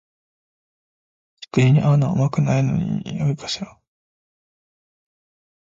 食事に合うのは甘くないのにおいしいから